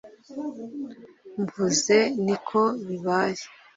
mvuze ni ko bibaye